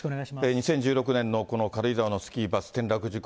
２０１６年のこの軽井沢のスキーバス転落事故。